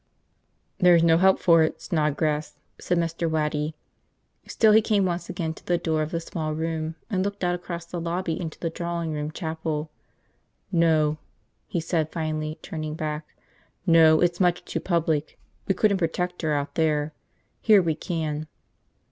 "There's no help for it, Snodgrass," said Mr. Waddy. Still, he came once again to the door of the small room and looked out across the lobby into the drawing room chapel. "No," he said finally, turning back, "no, it's much too public. We couldn't protect her out there. Here we can."